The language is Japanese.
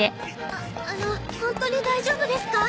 ああの本当に大丈夫ですか？